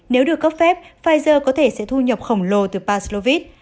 nếu được cấp phép pfizer có thể sẽ thu nhập khổng lồ từ paslovit